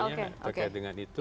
sebetulnya terkait dengan itu